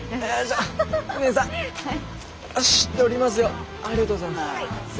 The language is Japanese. ありがとうございます。